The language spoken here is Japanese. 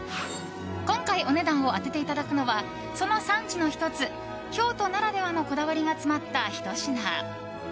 今回お値段を当てていただくのはその産地の１つ京都ならではのこだわりが詰まったひと品。